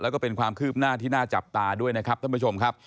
แล้วก็เป็นความคืบหน้าที่น่าจับตาด้วยนะครับท่านผู้ชมครับ